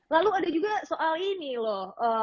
lalu ada juga soal ini loh